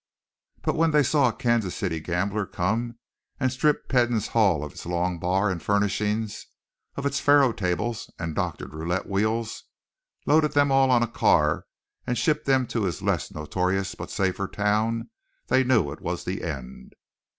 But when they saw a Kansas City gambler come and strip Peden's hall of its long bar and furnishings, of its faro tables and doctored roulette wheels, load them all on a car and ship them to his less notorious but safer town, they knew it was the end.